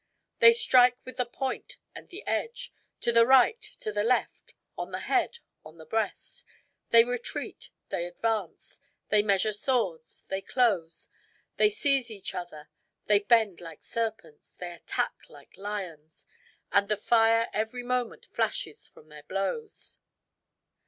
They strike with the point and the edge; to the right, to the left, on the head, on the breast; they retreat; they advance; they measure swords; they close; they seize each other; they bend like serpents; they attack like lions; and the fire every moment flashes from their blows.